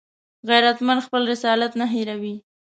غیرتمند خپل رسالت نه هېروي